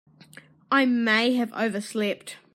I may have overslept.